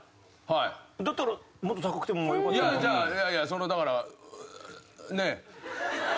いやじゃあいやいやそのだからねえ。